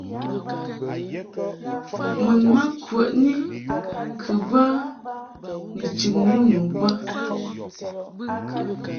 Mun ma ŋkwəni kɨ bə ni chɨŋni nu bə.